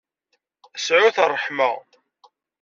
Sɛut ṛṛeḥma.